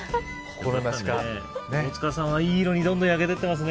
大塚さんはいい色にどんどん焼けていってますね。